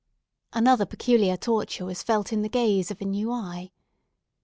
Another peculiar torture was felt in the gaze of a new eye.